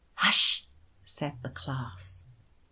" Hush !" said the class.